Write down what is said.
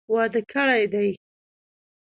واده کړي دي.